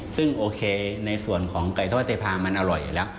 ซึ่งโอเคในส่วนของไก่ทอดเทพามันอร่อยอยู่แล้ว